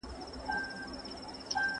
¬ ږيره زما، اختيار ئې د بل.